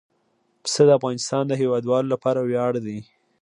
پسه د افغانستان د هیوادوالو لپاره ویاړ دی.